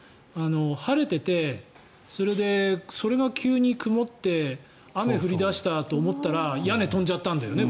晴れていて、それが急に曇って雨が降り出したと思ったら屋根飛んじゃったんだよね